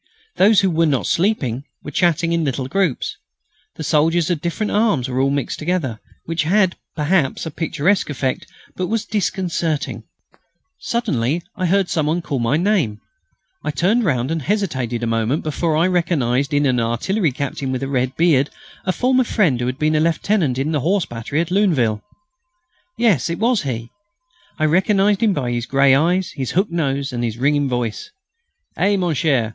Those who were not sleeping were chatting in little groups. The soldiers of different arms were all mixed together, which had, perhaps, a picturesque effect, but was disconcerting. Suddenly I heard some one call me by my name. I turned round and hesitated a moment before I recognised in an artillery captain with a red beard, a former friend who had been a lieutenant in a horse battery at Lunéville. Yes, it was he. I recognised him by his grey eyes, his hooked nose, and his ringing voice. "Eh, _mon cher!